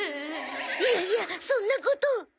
いやいやそんなこと。